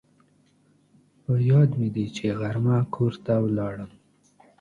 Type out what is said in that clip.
په یاد مې دي چې غرمه کور ته ولاړم